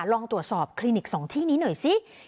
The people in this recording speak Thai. ลองตรวจสอบคลินิก๒ที่นี้หน่อยสิ